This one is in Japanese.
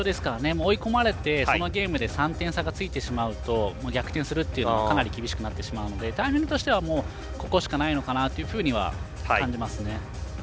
追い込まれて、そのゲームで３点差がついてしまうと逆転するっていうのはかなり厳しくなるのでタイミングとしてはもう、ここしかないのかなというふうには感じますね。